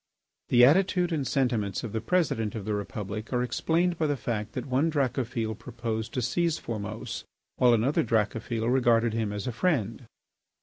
The attitude and sentiments of the President of the Republic are explained by the fact that one Dracophil proposed to seize Formose while another Dracophil regarded him as a friend.